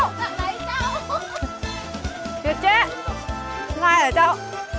เกียจเจ๊ไงเหรอเจ้า